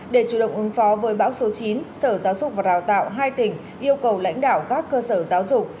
để chủ động ứng phó với bão số chín sở giáo dục và đào tạo hai tỉnh yêu cầu lãnh đạo các cơ sở giáo dục